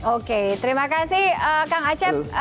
oke terima kasih kang acep